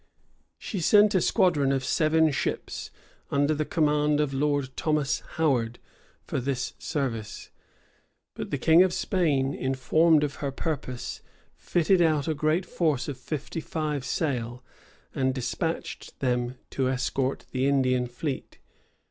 She sent a squadron of seven ships, under the command of Lord Thomas Howard, for this service; but the king of Spain, informed of her purpose, fitted out a great force of fifty five sail, and despatched them to escort the Indian fleet.